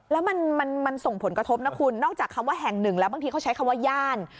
แล้วมันส่งผลกระทบนะคุณนอกจากคำว่าแห่งหนึ่งแล้วบางทีเขาใช้คำว่าย่าน